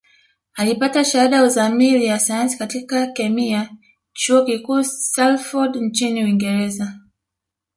Alipata Shahada ya Uzamili ya Sayansi katika Kemia Chuo Kikuu Salford nchini Uingereza